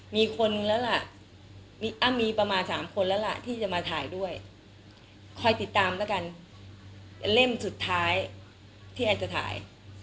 มีคนแล้วล่ะมีประมาณ๓คนแล้วล่ะที่จะมาถ่ายด้วยคอยติดตามแล้วกันเล่มสุดท้ายที่แอนจะถ่าย